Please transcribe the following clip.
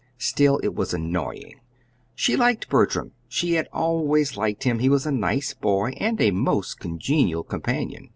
Still, it was annoying. She liked Bertram, she had always liked him. He was a nice boy, and a most congenial companion.